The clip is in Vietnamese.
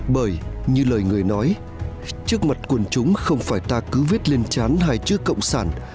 bởi như lời người nói trước mặt quần chúng không phải ta cứ viết lên chán hai trước cộng sản